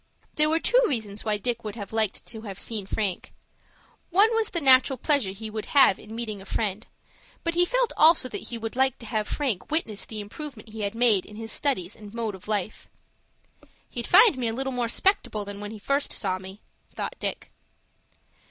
There were two reasons why Dick would like to have seen Frank. One was, the natural pleasure he would have in meeting a friend; but he felt also that he would like to have Frank witness the improvement he had made in his studies and mode of life. "He'd find me a little more 'spectable than when he first saw me," thought Dick.